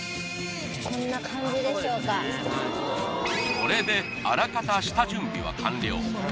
これであらかた下準備は完了